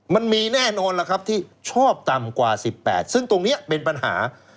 มันมีแน่นอนล่ะครับที่ชอบต่ำกว่า๑๘ซึ่งตรงนี้เป็นปัญหา